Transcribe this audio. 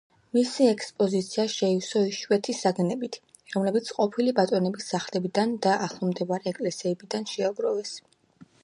მისი ექსპოზიცია შეივსო იშვიათი საგნებით, რომლებიც ყოფილი ბატონების სახლებიდან და ახლომდებარე ეკლესიებიდან შეაგროვეს.